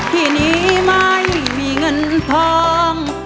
ที่นี้ไม่มีเงินทอง